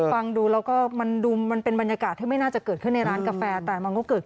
ฟังดูแล้วก็มันดูมันเป็นบรรยากาศที่ไม่น่าจะเกิดขึ้นในร้านกาแฟแต่มันก็เกิด